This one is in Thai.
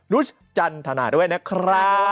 รุชจันทนาด้วยนะครับ